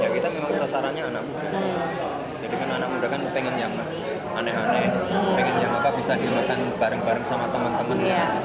ya kita memang sasarannya anak muda jadi kan anak muda kan pengen yang mas aneh aneh pengen yang bisa dimakan bareng bareng sama teman teman